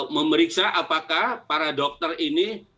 memeriksa apakah para dokter ini